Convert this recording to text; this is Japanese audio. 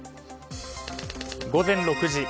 午前６時。